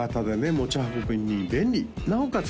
持ち運びに便利なおかつ